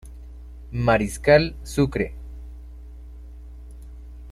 Mariscal Sucre.